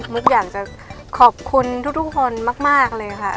อยากจะขอบคุณทุกคนมากเลยค่ะ